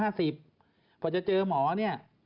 กว่าจะเจอหมอว่า